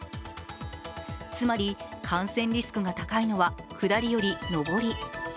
つまり、感染リスクが高いのは下りより上り。